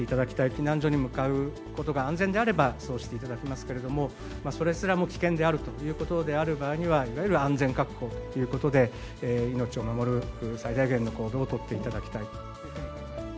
避難所に向かうことが安全であれば、そうしていただきますけれども、それすらも危険であるということである場合には、いわゆる安全確保ということで、命を守る最大限の行動を取っていただきたい。